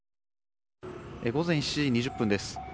午前７時２０分です。